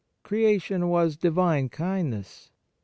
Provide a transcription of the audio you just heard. Creation was Divine kind ness.